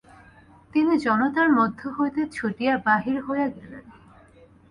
তিনি জনতার মধ্য হইতে ছুটিয়া বাহির হইয়া গেলেন।